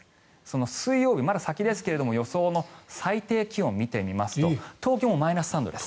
水曜日、まだ先ですが予想の最低気温を見てみますと東京もマイナス３度です。